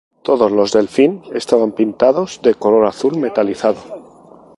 Todos los Delfín estaban pintados del color azul metalizado.